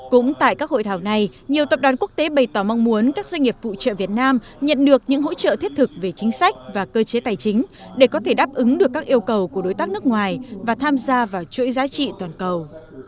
cũng tại các hội thảo này nhiều tập đoàn quốc tế bày tỏ mong muốn các doanh nghiệp phụ trợ việt nam nhận được những hỗ trợ thiết thực về chính sách và cơ chế tài chính để có thể đáp ứng được các yêu cầu của đối tác nước ngoài và tham gia vào chuỗi giá trị toàn cầu